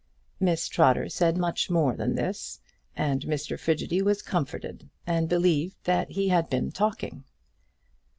Miss Trotter said much more than this, and Mr Frigidy was comforted, and believed that he had been talking.